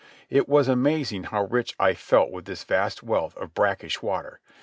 It was amazing how rich I felt with this vast wealth of brackish water.